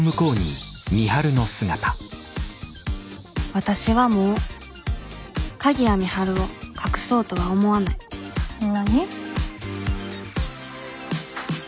わたしはもう鍵谷美晴を隠そうとは思わない何？